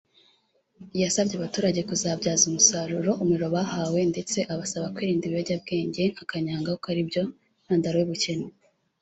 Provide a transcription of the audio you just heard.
yasabye abaturage kuzabyaza umusaruro umuriro bahawe ndetse abasaba kwirinda ibiyobyabwenge nka kanyanga kuko aribyo ntandaro y’ubukene